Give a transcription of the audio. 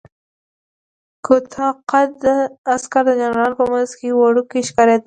کوتاه قده عسکر د جنرالانو په منځ کې وړوکی ښکارېده.